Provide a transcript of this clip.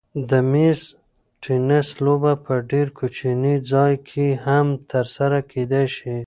د مېز تېنس لوبه په ډېر کوچني ځای کې هم ترسره کېدای شي.